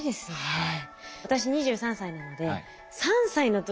はい。